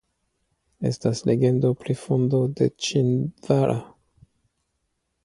Estas legendo pri fondo de Ĉindvara.